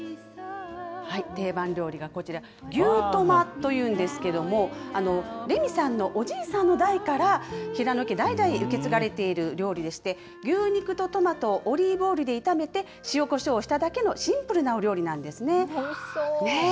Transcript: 定番料理がこちら、牛トマというんですけれども、レミさんのおじいさんの代から平野家代々受け継がれている料理でして、牛肉とトマトをオリーブオイルで炒めて、塩コショウをしただけのおいしそう。